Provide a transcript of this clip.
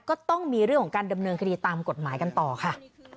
ก็ต้องมีเรื่องของการดำเนินคดีตามกฎหมายกันต่อค่ะ